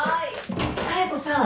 妙子さん